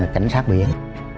cảnh sát biển